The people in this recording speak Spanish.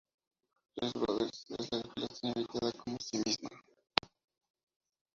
Joyce Brothers fue la estrella invitada, como sí misma.